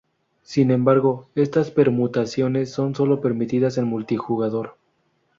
Sin embargo, estas permutaciones son sólo permitidas en multijugador.